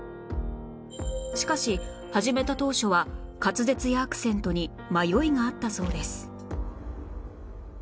しかし始めた当初は滑舌やアクセントに迷いがあったそうです